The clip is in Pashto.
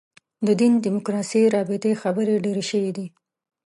د دین دیموکراسي رابطې خبرې ډېرې شوې دي.